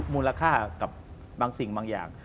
มูลค่ากับบางสิ่งบางอย่าง